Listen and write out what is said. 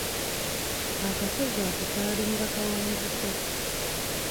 Akasozi ako kaalinga kawanvuko.